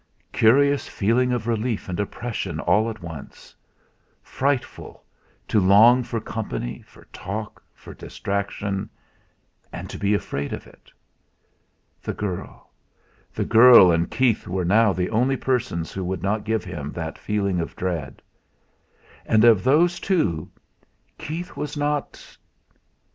Curious feeling of relief and oppression all at once! Frightful to long for company, for talk, for distraction; and to be afraid of it! The girl the girl and Keith were now the only persons who would not give him that feeling of dread. And, of those two Keith was not...!